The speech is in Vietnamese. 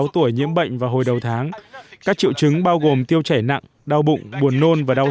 ba mươi tuổi nhiễm bệnh vào hồi đầu tháng các triệu chứng bao gồm tiêu chảy nặng đau bụng buồn nôn và đau